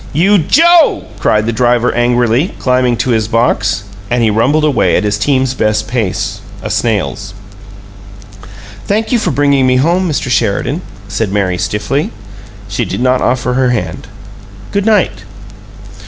"You, JOE!" cried the driver, angrily, climbing to his box. And he rumbled away at his team's best pace a snail's. "Thank you for bringing me home, Mr. Sheridan," said Mary, stiffly. She did not offer her hand. "Good night."